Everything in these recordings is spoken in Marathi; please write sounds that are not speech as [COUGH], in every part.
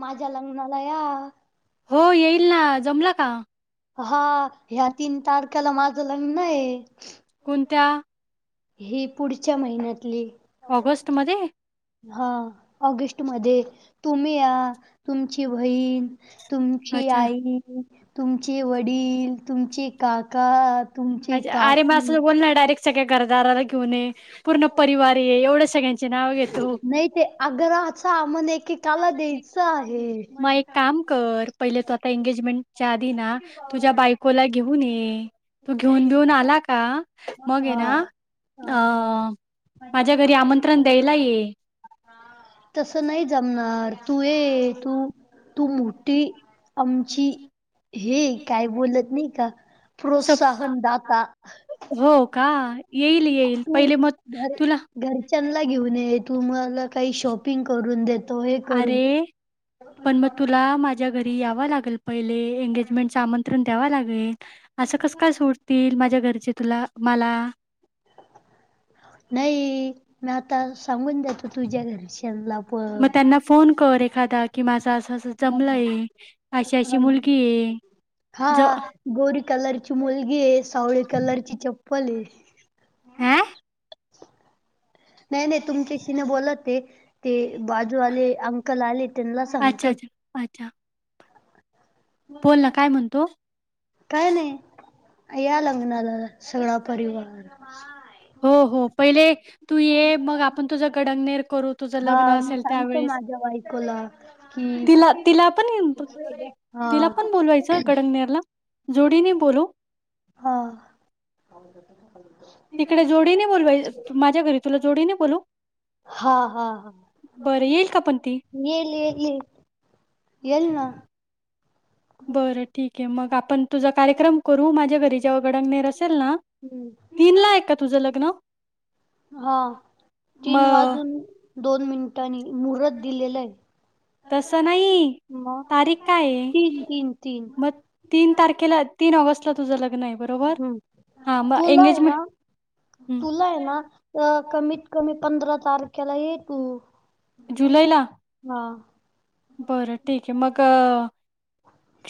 माझ्या लग्नाला या. हो येईल ना जमला हा ह्या तीन तारखेला माझं लग्न आहे कोणत्या ही पुढच्या महिन्यातली ऑगस्ट मध्ये हा ऑगस्ट म तुम्ही या तुमची बहीण तुमची आई तुमचे वडील तुमचे काका अ तुमचे अरे म काकू असं बोलणार डायरेक्ट सगळ्या घरदाराला घेऊन ये पूर्ण परिवार आहे एवढं सगळ्यांचे नाव घेतो नाही ते आग्रचा म्हण एक मग एक काम कर पहिले तू आता एंगेजमेंटच्या आधी ना तुझ्या बायकोला घेऊन ये तू घेऊन बेऊन आला का मग ये ना हा अ हा. माझ्या घरी आमंत्रण द्याला नाही तसं नाही जमणार तू ये तू तू मोठी आमची हे काय बोलत नाही का सप प्रोत्साहनदाता हो का येईल येईल पहिले मग तुला तुम्हाला काही शॉपिंग करून देत अरे पण मग तुला माझ्या घरी तरी यावं लागेल पहिले एंगेजमेंटच आमंत्रण द्याव लागेल असं कस काय सोडतील माझ्या घरचे तुला मला नाही नाता स सांगून जातो तुझ्या घरच्याला पण खादा कि मा जमला आहे अशी अशी मुलगी आहे ज ची मुलगी आहे सावळी कलर ची चप्पल आहे नाही नाही तुमच्याशी न बोलत ते बाजू आले अंकल आले त्यांना अच्छा सांगतोय अच्छा अच्छा बोल ना काय म्हणतो काय नाही या लग्नाला सगळा परिवार हो हो पहिले तू ये मग आपण तुझ गडंगनेर करू तुझ हा लग्न मी असेल सांगतो त्यावेळेस माझ्या बायकोला कि तिला तिला पण ये तो हा तिला पण बोलवायचं कडंगनेरला जोडीने बोलू. [UNINTELLIGIBLE] आम्ही करतं का? तिकडे जोडीने बोलवाय माझ्या घरी तुला जोडीने बोलू? हा हा हा बरं येईल का पण ती? येइल ना. बरं ठीक आहे मग आपण तुझा कार्यक्रम करू माझ्या घरी जेव्हा गडन्य रसेल ना हम्म तीनला आहे का तुझं लग्न? हा तीन मग वाजून दोन मिनिटांनी मुहूर्त दिलेलं आहे. तसं नाही मग तारीख काय तीन आहे? तीन तीन मग तीन तारखेला तीन ऑगस्टला तुझं लग्न आहे बरोबर हम्म हां म तुला आहे एंगेजमेंट ना हं. तुला आहे ना कमीत कमी पंधरा तारखेलाही हो जुलैला? हा बरं ठीक आहे मग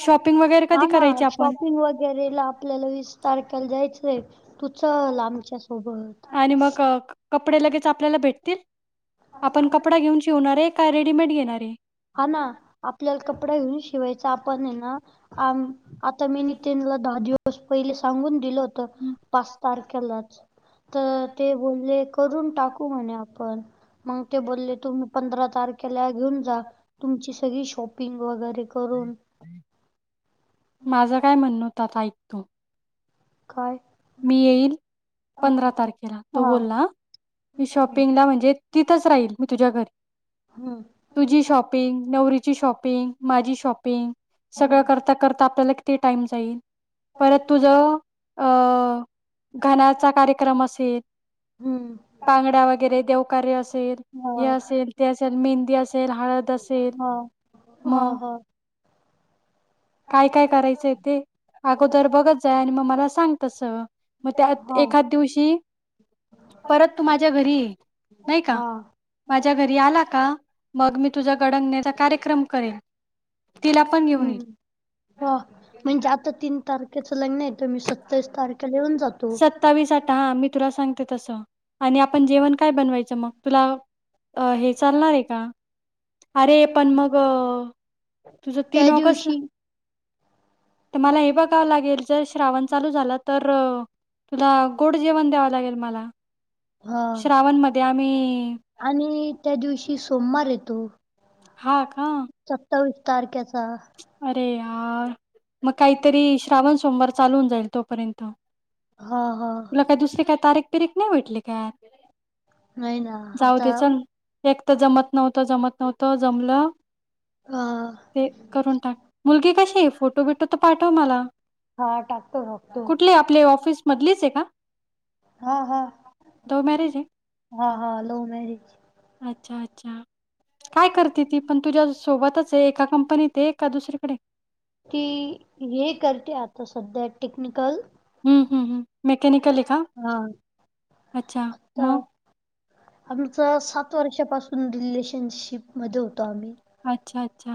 शॉपिंग वगैरे कधी हमा करायची आपण? शॉपिंग वगैरे ला आपल्याला विीस तारखयला जायचं आहे आणि मग कपडे लगेच आपल्याला भेट ते आपण कपडा घेऊन शिवणार आहे का रेडीमेड घेणार आहे? हा ना आपल्याला कपडा घेऊन शिवायचा आपण आहे ना आ आता मी त्यांला दहा दिवस पहिले सांगून दिलं त हं. पाच तारखाल्याच तर ते बोलले करून टाकू म्हणे आ पण मग ते बोलले तुम्ही पंधरा तारखेला घेऊन जा. तुमची सगळी शॉपिंग वगैरे करून माझं काय म्हणणो होता आता ऐक तू काय मी येईल पंधरा तारखेला तो हा बोलला. मी शॉपिंगला म्हणजे तिथंच राहील मी तुझ्या घरी. हम्म तुझी शॉपिंग, नवरीची शॉपिंग, माझी शॉपिंग सगळं हम्म करता-करता आपल्याला किती टाइम जाईल परत तुझ अ घनाचा कार्यक्रम असेल हम्म. टांगड्या वगैरे देवकार्य असेल, हा हे असेल, ते असेल, मेहंदी असेल, हळद असेल. हा हा मग हा. काय काय करायचं आहे ते अगोदर बघत जा आणि मग मला सांग तसं. मग त्यात हा एखाद दिवशी परत तू माझ्या घरी ये नाही का? हा माझ्या घरी आला का मग मी तुझा गडंयाचा कार्यक्रम करेन. तिला पण घेऊन ये. हो म्हणजे आता तीन तारखेचा लग्न आहे तुम्ही स सवीस तारखेला येऊन जातो. सत्तावीस आठ हा मी तुला सांगते तसं आणि आपण जेवण काय बनवायचं मग तुला हे चालणार आहे का? अरे पण मगं तुझ तीन त्या ऑगस्ट ला दिवशी तर मला हे बघावं लागेल जर श्रावण चालू झाला तर तुला गोड जेवण द्याव लागेल मला. हा श्रावणमध्ये आम्ही आणि त्या दिवशी सोमवार येतो. हा का सत्तवीस तारख्याचा. अरे यार मग काहीतरी श्रावण सोमवार चालून जाईल तोपर्यंत. हा हा तुला काही दुसरे काही तारीख पिरीक नाही भेटली काय? नाही ना जाऊ आता दे चल एक तर जमत नव्हतं, जमत नव्हतं, जमलं. हा. ते करून टाक मुलगी कशी आहे? फोटो बिटो तर पाठव मला. हा टाकतो टाकतो कुठले आपले ऑफिसमधलीच आहे का? हा हा लव्ह मॅरेज हा हा लो आहे अच्छा अच्छा काय करते ती पण तुझ्या सोबतच आहे एका कंपनीत आहे एका दुसरीकडे ती हे करते आता सध्या टेक्निकल हं, हं, हं. मेकॅनिकल आहे का? हा अच्छा तर मग आमचं सात वर्षापासून रिलेशनशिप मध्ये होतो आम्ही अच्छा अच्छा.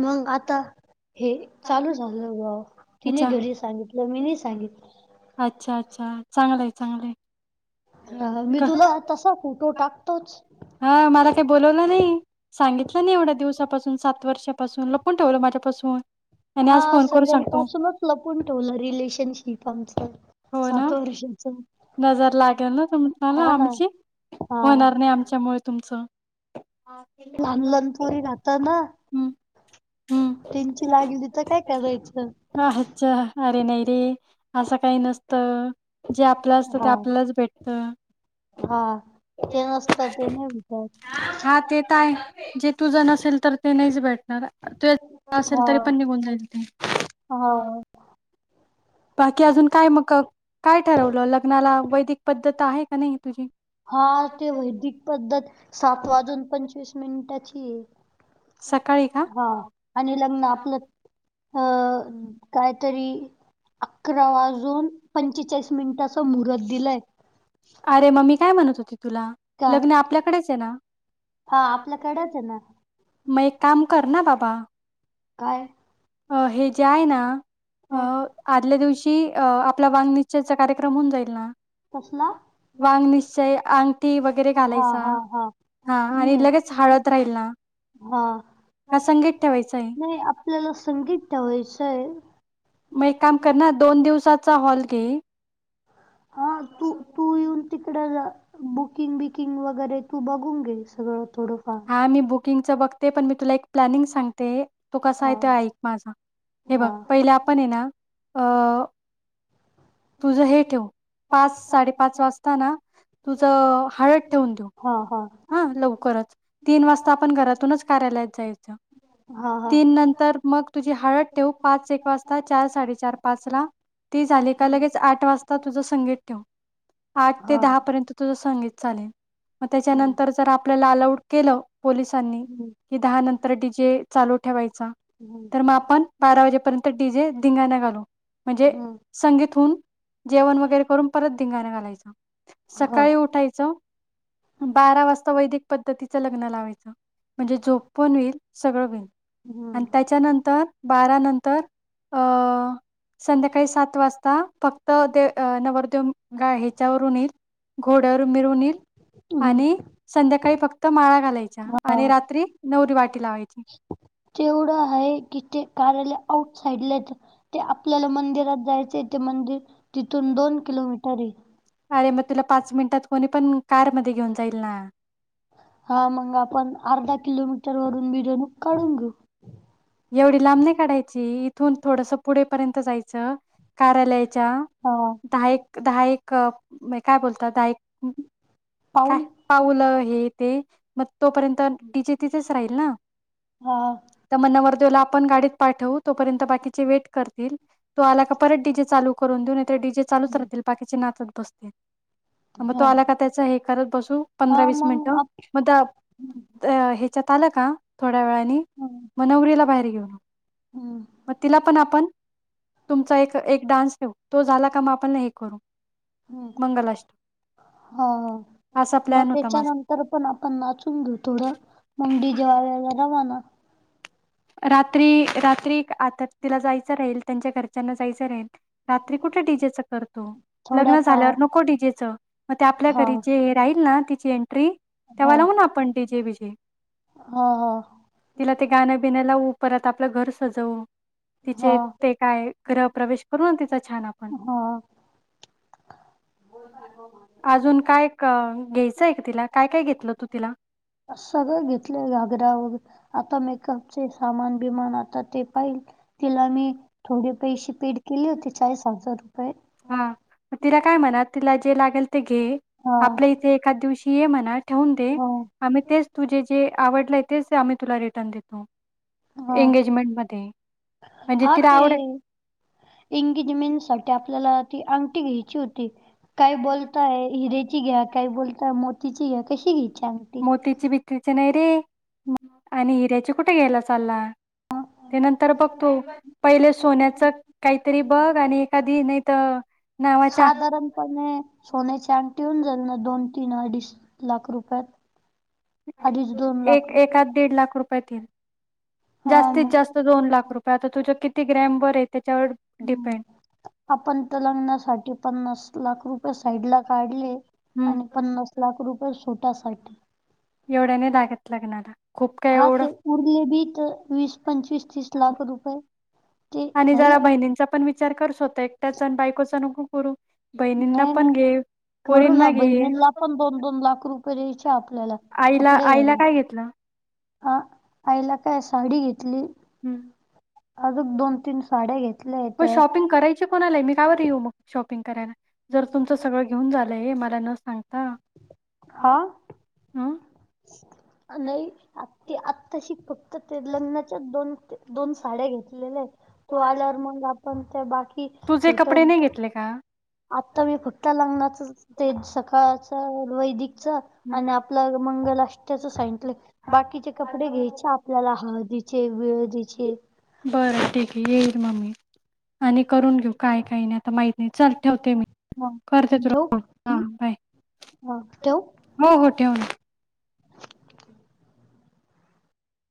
मग आता? हे चालू झालं वो तिने घरी सांगितलं, मीनी सांगितलं. अच्छा-अच्छा चांगलंय-चांगलंय. हा हा मी तुला तसं फोटो टाकतोच. हा मला काही बोलावलं नाही सांगितलं नाही एवढ्या दिवसापासून सात वर्षा पासून लपून ठेवलं माझ्यापासून आणि हा आज फोन करून सांगतो. सगळ्यांपासूनच लपून ठेवलं रिलेशनशिप पम स हो ना सात वर्षात नजर लागेल ना तुम तुमला आमची हा होणार नाही आमच्यामुळे तुमचं च लहान लहानपुरी राहता ना हं, हं त्यांची लागली तर काय करायचं अच्छा अरे नाही रे असं काही नसतं जे आपलं असतं ते हा आपल्यालाच भेटतं हा. ते नसतं ते नाही भेटत हा ते तर आहे जे तू नसेल तर ते नाहीच भेटणार तु असेल हा तरी पण निघून जाईल ते हा. बाकी अजून काय मग काय ठरवलं लग्नाला वैदिक पद्धत आहे का नाही तुझी हा ते वैदिक पद्धत सात वाजून पंचवीस मिनिटांची आहे सकाळी का हा आणि लग्न आपलं अं काहीतरी अकरा वाजून पंचेचाळीस मिनिटाच मुहूर्त दिलंय अरे मम्मी काय म्हणत होती तुला लग्न आपल्याकडेच आहे ना? हा आपल्याकडेच आहे ना मग एक काम कर ना बाबा काय अ जे आहे ना आदल्या दिवशी आपला वांगनिश्चचा कार्यक्रम होऊन जाईल ना कसला वांग निश्चय अंगठी वगैरे हा हा घालायचं हा हा आणि म्हणजे लगेच हाळद राहील ना हा का संगीत ठेवायचं आहे? आपल्याला संगीत ठेवायचंय मग एक काम कर ना दोन दिवसाचा हॉल घे हा तू तू येऊन तिकडं बुकिंग बिकिंग वगैरे तू बघून घे सगळं थोडंफार हा मी बुकिंगच बघते पण मी तुला एक प्लॅनिंग सांगते तू कसा हा आहे त ऐक माझा हे बघ हा पहिले आपण आहे ना अ तुझं हे ठेवू पाच साडे पाच वाजता ना तुझं हळद ठेवून देऊ हा लवकरच तीन वाजता आपण घरातूनच कार्यालयात जायचं हा तीन नंतर मग तुझी हळद ठेव पाच एक वाजता चार साडेचार पाचला झाली का लगेच आठ वाजता तुझं संगीत ठेवू हा आठ ते हा दहा पर्यंत तुझं संगीत चालेल मग हम्म त्याच्यानंतर जर आपल्याला आला आलाउड केले पोलिसांनी हम्म कि दहा नंतर डीजे चालू ठेवायचा हम्म तर मग आपण बारा वाजेपर्यंत डी जे धंगाणा घालो म्हणजे हम्म संगीत होन जेवण वगैरे करून परत धंगाण घालायचं हो. सकाळी उठायचं बारा वाजता वैदिक पद्धती लग्न लावायचं म्हणजे झोप पण होईल सगळं होईल आणि हम्म. त्याच्यानंतर बारा नंतर अ संध्याकाळी सात वाजता फक्त दे नवरदेवा ह्याच्यावरून येईल. घोड्यावर मिरून येईल आणि हम्म संध्याकाळी फक्त माळा घालायचा हा आणि रात्री नवरी वाटी लावायची ते एवढं आहे की ते कार्यालय आउट साइड लाच आपल्याला मंदिरात जायचं तेे मंदिर तिथून दोन किलोमीटर आहे. अरे मग तुला पाच मिनिटात कोणी पण कार मध्ये घेऊन जाईल ना. हा मंग आपण अर्धा किलोमीटर वरून मििरवणूक काढून घेऊ. एवढी लांबणी काढायची इथून थोडंसं पुढे पर्यंत जायचं कार्यालयाच्या हा दहा एकक दहा एकक काय बोलत दहा एकक काय पाऊल पाऊलं हे ते मग तोपर्यंत डीजे तीच राहील ना हा तर मग नवरदेवाला आपण गाडीत पाठवू तोपर्यंत बाकीचे वेट करतील तो आला का परत डी जे चालू करून देऊ डीजे चालूच राहतील बाकीचे नाचत बसतील मग तो हा. आला का त्याचा हे करत बसू हा पंधरा वीस मग मिनिटं आप मग अ ह्याच्याआले का थोड्या वेळानी हम्म म नवरीला बाहेर घेऊन येऊ हम्म. मग तिला पण आपण तुमचा एक एक डान्स ठेऊ तो झाला का मग आपण नाही करू मंगलाष्ट हा. हा मग प्लॅन होता माझा. त्याच्यानंतर पण आपण नाचून घेऊ थोडं म डिजे व्हाला रवाना रात्री रात्री आता तिला जायचं राहील त्यांच्या घरच्यांना जायचं राहील. रात्री कुठे डीजेच करतो, लग्न थोडाफार झाल्यावर नको डीजेचं. मग ते आपल्या हा घरी जे हे राहील ना तिची एंट्री तेव्हा हा. लाव ना आपण डीजे बीजे हा तिला ते गाणं त परत आपलं घर सजवू हा तिचे ते काय ग्रह प्रवेश करू ना तिचा छान आपण.. हा [INAUDIBLE] अजून काय घ्यायचं आहे तिला काय काय घेतलं तू तिला सगळे घेतले घागरा वगैरे आता मेकअपचे सामान बिमान आता ते पाहिल तिला मी थोडे पैसे पेड केले होते चाळीस हजार रुपये हां, मग तिला काय म्हणत तिला जे लागेल ते घे हा आपल्या इथे एका दिवशी ये म्हणत ठेवून दे हा आम तेच तुझे जे आवडलय तेच आम्ही तुला रिटर्न देतो. हा एंगेजमेंट मध्ये हा ते इंगजमें साठी आपल्याला ती अंगठी घ्यायची होती. काय बोलताय हिरेची घ्या काय बोलताय मोतीची घ्या कशी घ्यायची अंगठी मोतीची बीतीचे नाही रे आणि हिऱ्याचे कुठे घ्यायला चालला [INAUDIBLE] ते नंतर बघतो पहिले सोन्याच काहीतरी बघ आणि एखादी नाही तर नावाच्या साधारणपणे सोन्याची अंगटी होऊन ना जाईल दोन तीन अडीच लाख रुपयात अडीच दोन लाख एक रुपये एखाद दीड लाख रुपयात इन हा जास्तीत मग जास्त दोन लाख रुपये आता तुझ्या किती ग्रॅम वर त्याच्यावर डिपेंड. ह् आपण तर लग्नासाठी पन्नास लाख रुप साईड ला काढले हं. आणि पन्नास लाख रुपये ोटासाठी एवढ्या नाही लागत लग्नाला खूप काय हा एवढं ते उरले भी तर वीस, पंचवीस, तीस लाख रुपये ते आणि जरा राहिला बहिणींचा पण विचार कर स्वतः एकट्याच आणि बायकोचा नको करू. बहिणींना पण घे. करू ना पोरींना घे बहिणींना पण दोन दोन लाख रुपये द्यायचे आपल्याला आईला कपडे आईला घ्यायला. काय घेतलं हा आईला काय साडी घेतली हम्म. अजून दोन तीन साड्या घेत मग शॉपिंग करायची कोणालाय मी कावर येऊ मग शॉपिंग करायला जर तुमचं सगळं घेऊन झालंय मला न सांगता हा हं नाही आ आत्ताशी फक्त ते लग्नाच्या दोन दोन साड्या घेतलेल्या आहेत त आल्या मग आप बाकी तुझे कपडे नाही घेतले का आत्ता मी फुट्टा लागणारच ते सकाळच वैदिक आणि आपलं मंगलष्टच सट बाकीचे कपडे घ्यायचे आपल्याला हळदी [UNINTELLIGIBLE] बरं ठीक आहे येईल म मी. आणि करून घेऊ काय काही नाही आता माहित नाही चल ठेवते मी. ह करते तुला ठेऊ फोन. का, हा बाय हा. ठेवू? हो हो ठेवून